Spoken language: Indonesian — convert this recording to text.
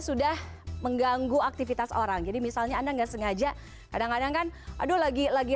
sudah mengganggu aktivitas orang jadi misalnya anda nggak sengaja kadang kadang kan aduh lagi lagi